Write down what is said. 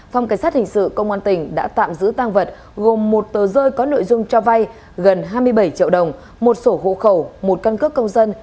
phòng cảnh sát hình sự công an tỉnh đã tạm giữ tăng vật gồm một tờ rơi có nội dung cho vay gần hai mươi bảy triệu đồng một sổ hộ khẩu một căn cước công dân